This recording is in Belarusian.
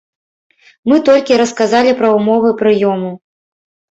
Мы толькі расказалі пра ўмовы прыёму.